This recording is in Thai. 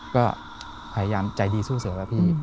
ก็พยายามใจดีสู้เสือแล้วพี่